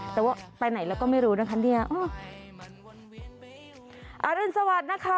แต่ว่าไปไหนแล้วก็ไม่รู้นะคะเนี่ยอรุณสวัสดิ์นะคะ